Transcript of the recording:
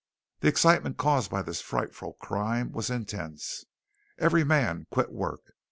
The excitement caused by this frightful crime was intense. Every man quit work.